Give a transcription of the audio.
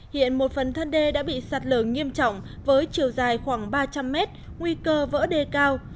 hiện một phần thân đê đã bị sạt lở nghiêm trọng với chiều dài khoảng ba trăm linh mét nguy cơ vỡ đê cao